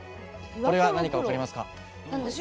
これは何か分かりますか？